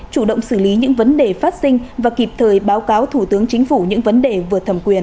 chủ động xử lý những vấn đề phát sinh và kịp thời báo cáo thủ tướng chính phủ những vấn đề vượt thẩm quyền